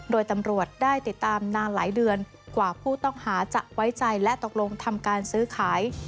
โดยตำรวจได้ติดตามนานหลายเดือนกว่าผู้ต้องหาจะไว้ใจและตกลงทำการซื้อขาย